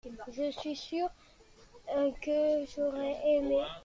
Je suis sûr que j’aurais aimé.